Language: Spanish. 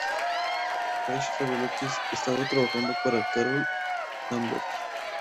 Cash reveló que estaba trabajando para Carol Danvers.